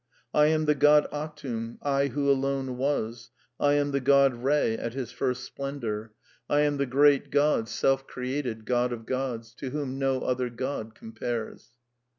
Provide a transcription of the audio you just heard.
"I am the God Atum, I who alone was, I am the God Re at his first splendour. THE NEW MYSTICISM 287 I am the ^eat God, self created, God of Gods, To whom no other God compares."